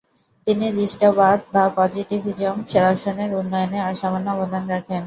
তিনি দৃষ্টবাদ বা পজিটিভিজম দর্শনের উন্নয়নে অসামান্য অবদান রাখেন।